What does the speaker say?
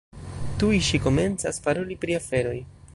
Tuj ŝi komencas paroli pri aferoj.